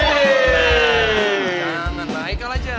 jangan naik aja